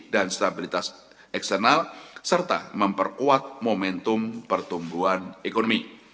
dan stabilitas eksternal serta memperkuat momentum pertumbuhan ekonomi